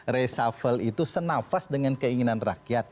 reshuffle itu senafas dengan keinginan rakyat